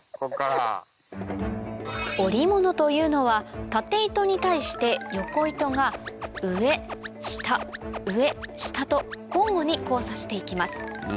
織物というのは縦糸に対して横糸が上下上下と交互に交差して行きます